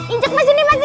itu kan ini